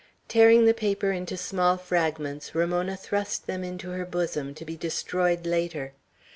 Tearing the paper into small fragments, Ramona thrust them into her bosom, to be destroyed later.